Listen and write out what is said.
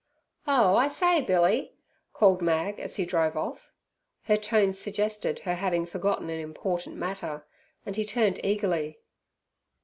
"Oh, I say, Billy!" called Mag as he drove off. Her tones suggested her having forgotten an important matter, and he turned eagerly.